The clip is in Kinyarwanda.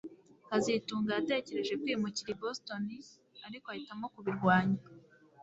kazitunga yatekereje kwimukira i Boston ariko ahitamo kubirwanya